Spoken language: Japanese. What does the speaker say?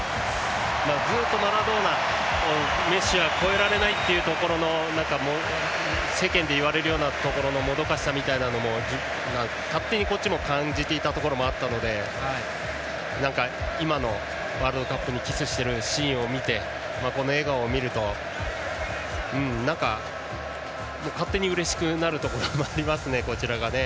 ずっとマラドーナを、メッシは超えられないというところの世間で言われるようなもどかしさを勝手に、こっちも感じているところがあったので今のワールドカップにキスしているシーンを見てこの笑顔を見ると勝手にうれしくなるところがありますね、こちらが。